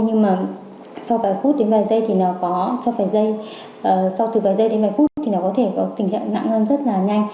nhưng mà sau vài phút đến vài giây thì nó có cho vài giây sau từ vài giây đến vài phút thì nó có thể có tình trạng nặng hơn rất là nhanh